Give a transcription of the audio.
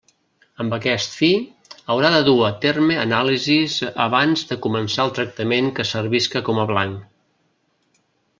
Amb aquest fi, haurà de dur a terme anàlisis abans de començar el tractament que servisca com a blanc.